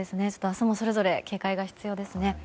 明日もそれぞれ警戒が必要ですね。